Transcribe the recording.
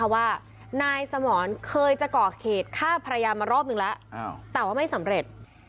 ว่านายสมรเคยจะก่อเหตุฆ่าภรรยามารอบนึงแล้วแต่ว่าไม่สำเร็จ